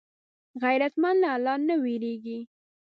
غیرتمند له الله نه وېرېږي